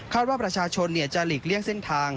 ว่าประชาชนจะหลีกเลี่ยงเส้นทาง